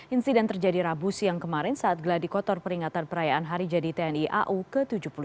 insiden terjadi rabu siang kemarin saat geladi kotor peringatan perayaan hari jadi tni au ke tujuh puluh tiga